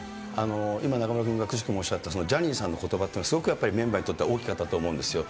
今、中丸君がくしくもおっしゃった、ジャニーさんのことばっていうのは、すごくメンバーにとっては大きかったと思うんですよ。